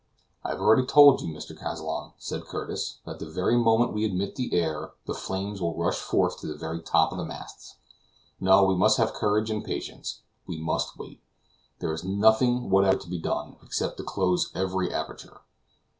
"I have already told you, Mr. Kazallon," said Curtis, "that the very moment we admit the air, the flames will rush forth to the very top of the masts. No; we must have courage and patience; we must wait. There is nothing whatever to be done, except to close every aperture."